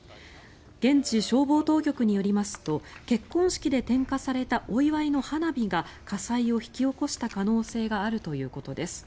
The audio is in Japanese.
現地消防当局によりますと結婚式で点火されたお祝いの花火が火災を引き起こした可能性があるということです。